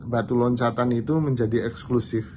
batu loncatan itu menjadi eksklusif